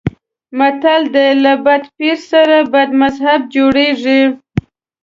متل دی: له بد پیر سره بد مذهب جوړېږي.